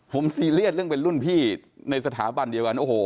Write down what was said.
ผมซีเรียสเรื่องเป็นรุ่นพี่ในสถาบันเดียวกันโอ้โห